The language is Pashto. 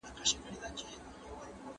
تنفسي ماشینونه کله اړین دي؟